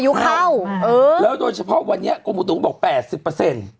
ยุเข้าเออแล้วโดยเฉพาะวันนี้กรมอุตุก็บอกแปดสิบเปอร์เซ็นต์